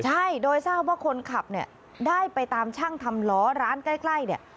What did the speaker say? ใช่โดยทราบว่าคนขับเนี่ยได้ไปตามช่างทำล้อร้านใกล้เนี่ย